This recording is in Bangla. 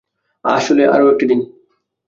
আসলে, আরও একটি দিন।